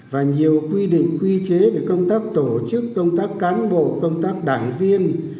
và nhiều quy định quy chế về công tác tổ chức công tác cán bộ công tác đảng viên